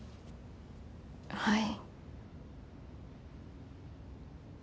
はい。